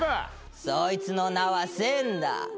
そいつの名は千だ。